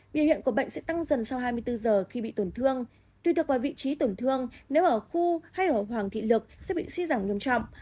bịa huyện của bệnh sẽ tăng dần sau hai mươi bốn giờ khi bị tổn thương tuy được vào vị trí tổn thương nếu ở khu hay ở hoàng thị lực sẽ bị suy giảm nhanh chóng